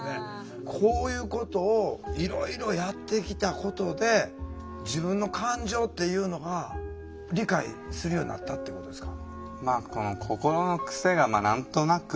こういうことをいろいろやってきたことで自分の感情っていうのが理解するようになったってことですか？